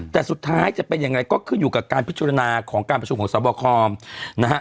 แต่สุดท้ายจะเป็นยังไงก็ขึ้นอยู่กับการพิจารณาของการประชุมของสวบคอมนะฮะ